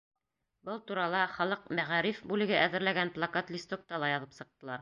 Был турала халыҡ мәғариф бүлеге әҙерләгән плакат-листокта ла яҙып сыҡтылар.